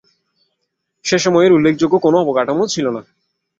সেসময় উল্লেখযোগ্য কোন অবকাঠামো ছিল না।